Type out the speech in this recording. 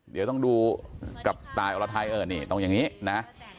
เดี๋ยวต้องดูกับต่ายอรไทยตรงอย่างนี้นะ